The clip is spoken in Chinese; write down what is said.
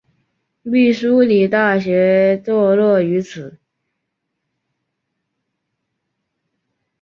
密苏里大学坐落于此。